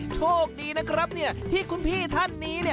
โชคดีนะครับที่คุณพี่ท่านนี้เนี่ย